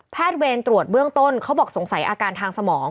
เวรตรวจเบื้องต้นเขาบอกสงสัยอาการทางสมอง